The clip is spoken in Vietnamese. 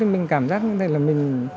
mình cảm giác như thế là mình